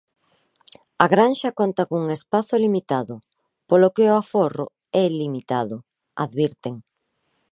A granxa conta cun espazo limitado, polo que o aforro é limitado, advirten.